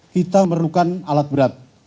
kita memerlukan alat berat